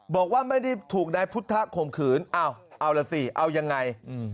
บอกว่าไม่ได้ถูกนายพุทธข่มขืนเอาล่ะสิเอายังไง